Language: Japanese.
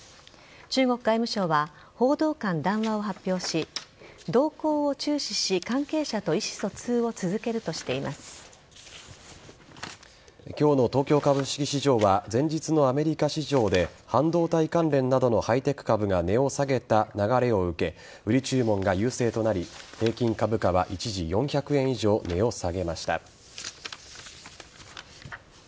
中国外務省は報道官談話を発表し動向を注視し関係者と意思疎通を続ける今日の東京株式市場は前日のアメリカ市場で半導体関連などのハイテク株が値を下げた流れを受け売り注文が優勢となり平均株価は一時４００円以上値を下げました。